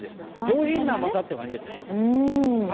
上品な甘さって感じです。